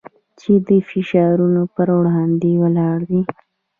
چې د فشارونو پر وړاندې ولاړ دی.